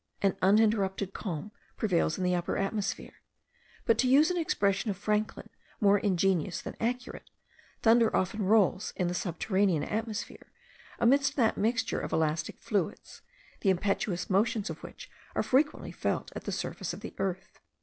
An uninterrupted calm prevails in the upper atmosphere; but, to use an expression of Franklin, more ingenious than accurate, thunder often rolls in the subterranean atmosphere, amidst that mixture of elastic fluids, the impetuous movements of which are frequently felt at the surface of the earth.